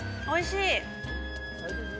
おいしい！